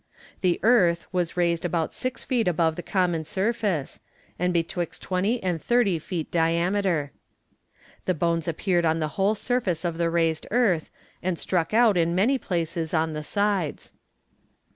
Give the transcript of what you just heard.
The earth was raised about six feet above the common surface, and betwixt twenty and thirty feet diameter. The bones appeared on the whole surface of the raised earth, and struck out in many places on the sides.